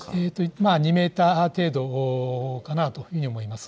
まあ２メーター程度かなというふうに思います。